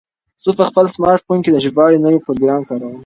زه په خپل سمارټ فون کې د ژباړې نوی پروګرام کاروم.